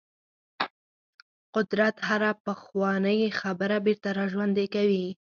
قدرت هره پخوانۍ خبره بیرته راژوندۍ کوي.